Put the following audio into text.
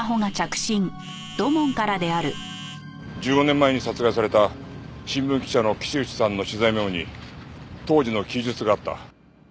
１５年前に殺害された新聞記者の岸内さんの取材メモに当時の記述があった。